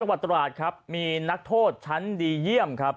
วัดตราดครับมีนักโทษชั้นดีเยี่ยมครับ